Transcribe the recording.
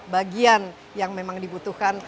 bagian yang memang dibutuhkan